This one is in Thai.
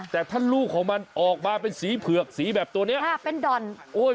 แต่ถ้าลูกของมันออกมาเป็นสีเผือกสีแบบตัวนี้